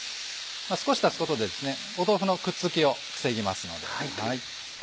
少し足すことで豆腐のくっつきを防ぎますので。